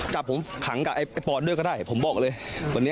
จับผมขังกับไอ้ปอนด้วยก็ได้ผมบอกเลยวันนี้